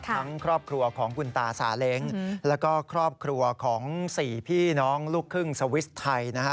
ครอบครัวของคุณตาสาเล้งแล้วก็ครอบครัวของ๔พี่น้องลูกครึ่งสวิสไทยนะฮะ